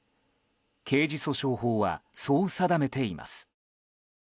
刑事訴訟法はそう定めています。